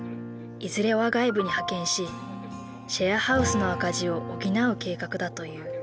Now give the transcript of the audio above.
いずれは外部に派遣しシェアハウスの赤字を補う計画だという。